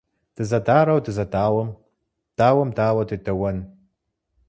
Дызэдарэу дызэдауэм - дауэм дауэ дедэуэн?